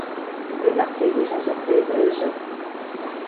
Rünnak leidis aset reede öösel.